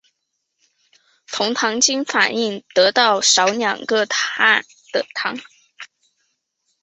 酮糖经反应得到少两个碳的糖。